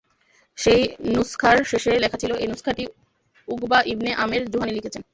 সেই নুসখার শেষে লেখা ছিল, এই নুসখাটি উকবা ইবনে আমের জুহানী লিখেছেন।